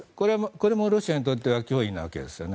これもロシアにとっては脅威のわけです。